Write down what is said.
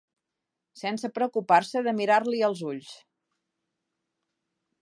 Sense preocupar-se de mirar-li els ulls.